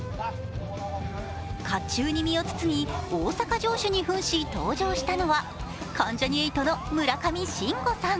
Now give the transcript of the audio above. かっちゅうに身を包み大阪城主に扮し登場したのは関ジャニ∞の村上信五さん。